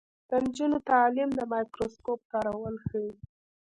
د نجونو تعلیم د مایکروسکوپ کارول ښيي.